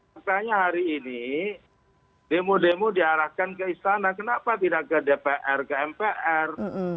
makanya hari ini demo demo diarahkan ke istana kenapa tidak ke dpr ke mpr